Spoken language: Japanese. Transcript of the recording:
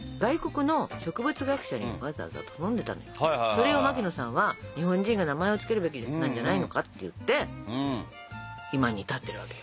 それを牧野さんは日本人が名前を付けるべきなんじゃないのかって言って今に至ってるわけよ。